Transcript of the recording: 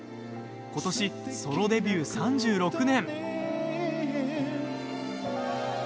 今年、ソロデビュー３６年。